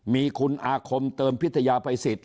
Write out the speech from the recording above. มีคุณคุณข้อมเติมพิธยภัยสิทธิ์